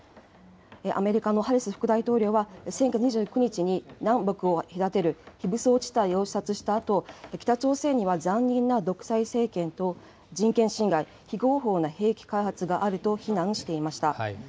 アメリカのハリス副大統領は、先月２９日に南北を隔てる非武装地帯を視察したあと、北朝鮮は残忍な独裁政権と人権侵害、非合法な兵器開発があると非難していました。